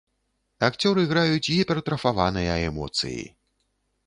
Акцёры граюць гіпертрафаваныя эмоцыі.